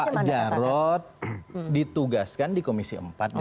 pak jarod ditugaskan di komisi empat dpr ri